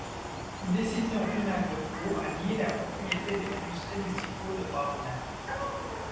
Une décision finale de cour a nié la propriété des manuscrits musicaux de Graupner.